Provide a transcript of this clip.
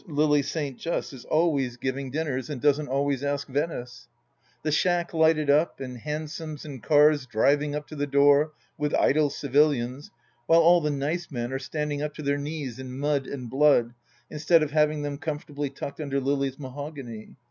Lily St. Just is always giving 162 THE LAST DITCH dinners and doesn't always ask Venice 1 The Schack lighted up, and hansoms and cars driving up to the door with idle civilians while all the nice men are standing up to their knees in mud and blood instead of having them comfortably tucked under Lily's mahogany.